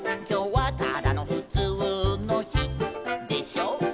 「今日はただの普通の日でしょ？」